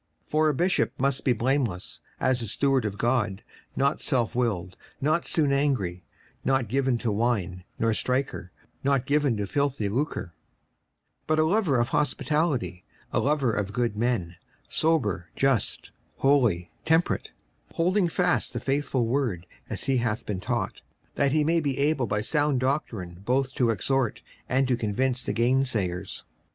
56:001:007 For a bishop must be blameless, as the steward of God; not selfwilled, not soon angry, not given to wine, no striker, not given to filthy lucre; 56:001:008 But a lover of hospitality, a lover of good men, sober, just, holy, temperate; 56:001:009 Holding fast the faithful word as he hath been taught, that he may be able by sound doctrine both to exhort and to convince the gainsayers.